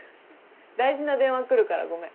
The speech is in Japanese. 大事な電話来るからごめん。